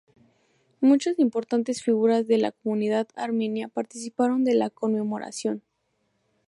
Muchas importantes figuras de la comunidad armenia participaron de la conmemoración.